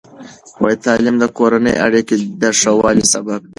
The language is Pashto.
تعلیم د کورني اړیکو د ښه والي سبب دی.